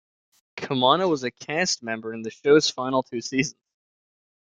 Kamano was a cast member in the show's final two seasons.